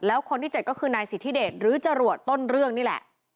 แล้วคนที่๗ก็คือนายสิทธิเดชหรือจรวดต้นเรื่องนี่แหละ